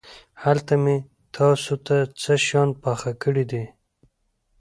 هلته مې تاسو ته څه شيان پاخه کړي دي.